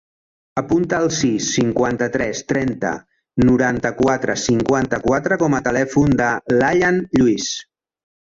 Apunta el sis, cinquanta-tres, trenta, noranta-quatre, cinquanta-quatre com a telèfon de l'Ayaan Lluis.